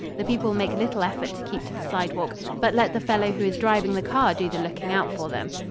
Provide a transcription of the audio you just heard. The people make little effort to keep to the sidewalk, but let the fellow who is driving the car do the looking out for them.